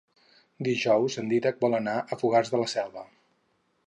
Dijous en Dídac vol anar a Fogars de la Selva.